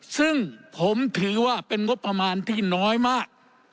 ซึ่งผมถือว่าเป็นงบประมาณที่น้อยมาก